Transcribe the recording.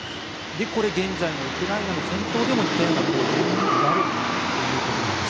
これ、現在のウクライナの戦闘でも似たような光景が見られるということなんです。